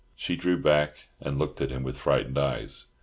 She drew back, and looked at him with frightened eyes.